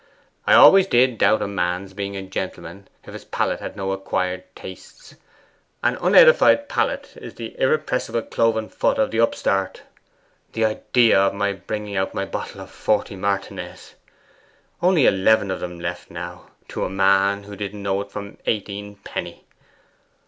I always did doubt a man's being a gentleman if his palate had no acquired tastes. An unedified palate is the irrepressible cloven foot of the upstart. The idea of my bringing out a bottle of my '40 Martinez only eleven of them left now to a man who didn't know it from eighteenpenny!